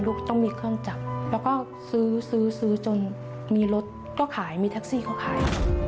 ต้องมีเครื่องจักรแล้วก็ซื้อซื้อจนมีรถก็ขายมีแท็กซี่เขาขาย